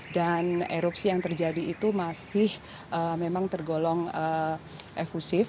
dan erupsi yang terjadi itu masih memang tergolong efusif